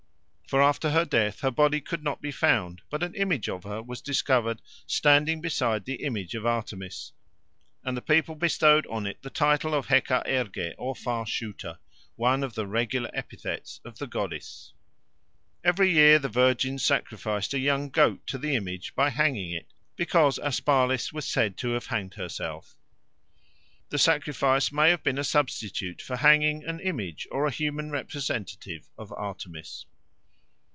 For after her death her body could not be found, but an image of her was discovered standing beside the image of Artemis, and the people bestowed on it the title of Hecaerge or Far shooter, one of the regular epithets of the goddess. Every year the virgins sacrificed a young goat to the image by hanging it, because Aspalis was said to have hanged herself. The sacrifice may have been a substitute for hanging an image or a human representative of Artemis.